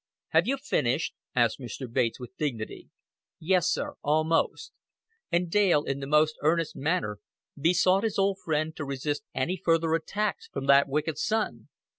"Have you finished?" asked Mr. Bates, with dignity. "Yes, sir almost;" and Dale in the most earnest manner besought his old friend to resist any further attacks from that wicked son.